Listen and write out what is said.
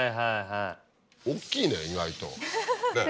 おっきいね意外と。